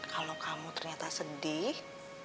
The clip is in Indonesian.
kalau kamu ternyata sedih